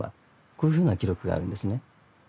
こういうふうな記録があるんですね。